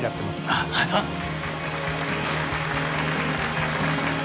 ありがとうございます。